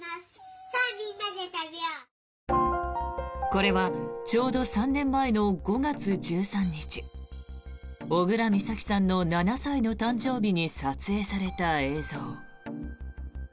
これはちょうど３年前の５月１３日小倉美咲さんの７歳の誕生日に撮影された映像。